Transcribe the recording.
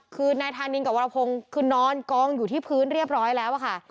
คือนอนกองอยู่ที่พื้นเรียบร้อยแล้วค่ะ